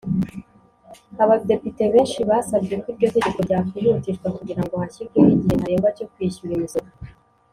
Abadepite benshi basabye ko iryo tegeko ryakwihutishwa kugira ngo hashyirweho igihe ntarengwa cyo kwishyura imisoro